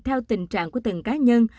theo tình trạng của từng cá nhân